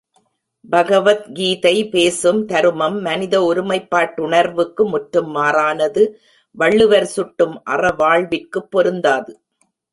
பகவத் கீதை பேசும் தருமம் மனித ஒருமைப்பாட்டுணர்வுக்கு முற்றும் மாறானது வள்ளுவர் சுட்டும் அறவாழ்விற்குப் பொருந்தாது.